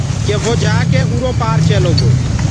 ڪي ڪي وو جآڪي اُرو پآر چيلو گو۔